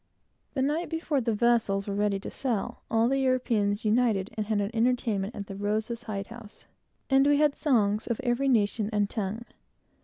The night before the vessels were ready to sail, all the Europeans united and had an entertainment at the Rosa's hide house, and we had songs of every nation and tongue.